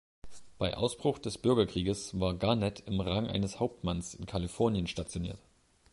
Bei Ausbruch des Bürgerkrieges war Garnett im Rang eines Hauptmanns in Kalifornien stationiert.